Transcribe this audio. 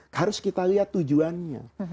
harus kita lihat tujuannya